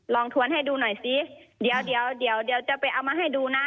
ลองทวนให้ดูหน่อยซิเดี๋ยวจะไปเอามาให้ดูนะ